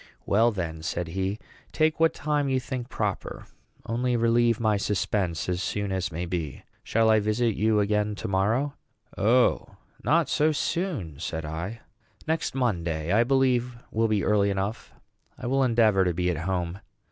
"Well, then," said he, "take what time you think proper; only relieve my suspense as soon as may be. Shall I visit you again to morrow?" "O, not so soon," said I; "next Monday, I believe, will be early enough. I will endeavor to be at home."